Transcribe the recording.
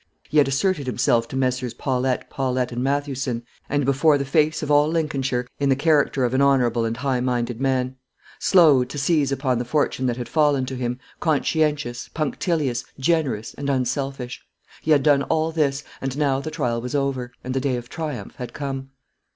He had asserted himself to Messrs. Paulette, Paulette, and Mathewson, and before the face of all Lincolnshire, in the character of an honourable and high minded man; slow to seize upon the fortune that had fallen to him, conscientious, punctilious, generous, and unselfish. He had done all this; and now the trial was over, and the day of triumph had come.